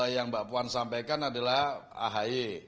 yang mbak puan sampaikan adalah ahy